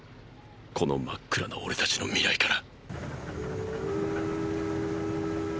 この真っ暗な俺たちの未来から。